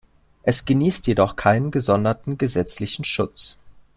Es genießt jedoch keinen gesonderten gesetzlichen Schutz.